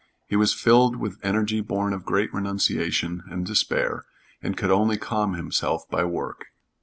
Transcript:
He was filled with energy born of great renunciation and despair, and could only calm himself by work.